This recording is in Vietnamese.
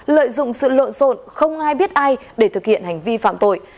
lợi dụng sự lộn xộn không ai biết ai để thực hiện hành vi phạm tội